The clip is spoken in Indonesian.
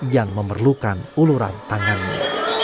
yang memerlukan uluran tangannya